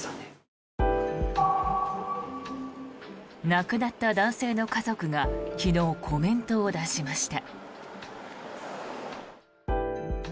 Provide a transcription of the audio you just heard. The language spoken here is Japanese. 亡くなった男性の家族が昨日、コメントを出しました。